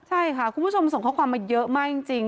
ใช่ค่ะคุณผู้ชมส่งข้อความมาเยอะมากจริง